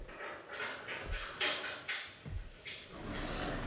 Druhá kopie sochy je umístěna v Zoologické zahradě Praha.